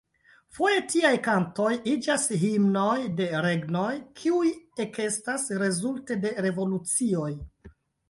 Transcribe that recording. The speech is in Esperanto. Foje tiaj kantoj iĝas himnoj de regnoj, kiuj ekestas rezulte de revolucioj.